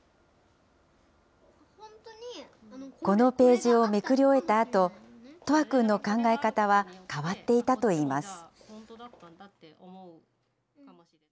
このページをめくり終えたあと、叶和君の考え方は変わっていたといいます。